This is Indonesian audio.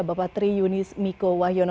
bapak tri yunis miko wahyono